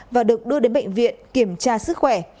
và được đưa đến bệnh viện kiểm tra sức khỏe